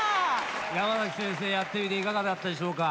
山崎先生やってみていかがだったでしょうか？